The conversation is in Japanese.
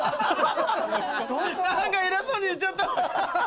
なんか偉そうに言っちゃった。